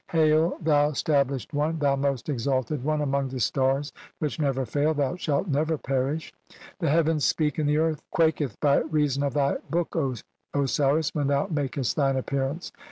"Hail, thou stablished one, thou most exalted one "(159) among the stars which never fail, thou shalt "never perish " (160) "The heavens speak and the earth quaketh "by reason of thy book, O Osiris, when thou makest "thine appearance.